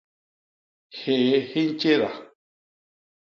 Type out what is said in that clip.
Hyéé hi ntjéda.